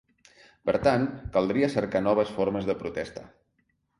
Per tant, caldria cercar noves formes de protesta.